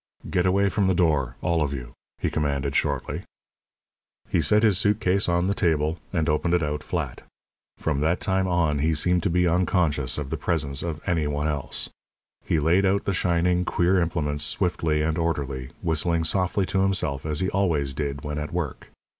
"Get away from the door, all of you," he commanded, shortly. He set his suit case on the table, and opened it out flat. From that time on he seemed to be unconscious of the presence of any one else. He laid out the shining, queer implements swiftly and orderly, whistling softly to himself as he always did when at work.